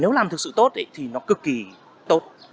nếu làm thực sự tốt thì nó cực kỳ tốt